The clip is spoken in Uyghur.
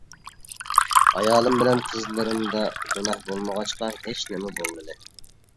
ئايالىم بىلەن قىزلىرىمدا گۇناھ بولمىغاچقا ھېچنېمە بولمىدى.